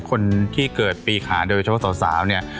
คนที่เกิดปีขาโดยเฉพาะสาวเนี่ย